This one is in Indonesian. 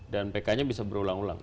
dan pk nya bisa berulang ulang